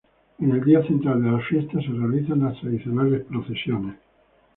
En el día central de las fiestas se realizan las tradicionales procesiones.